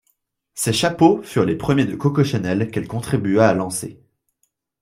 Ses chapeaux furent les premiers de Coco Chanel, qu'elle contribua à lancer.